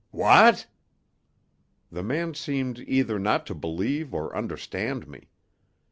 "What!" The man seemed either not to believe or understand me.